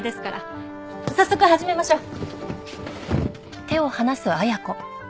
早速始めましょう。